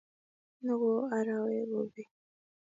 noo ko araweekobek